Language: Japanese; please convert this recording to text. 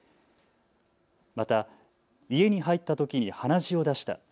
また家に入ったときに鼻血を出した。